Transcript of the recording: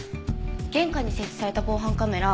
玄関に設置された防犯カメラ